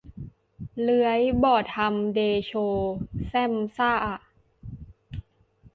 เลื้อยบ่ทำเดโช แช่มช้า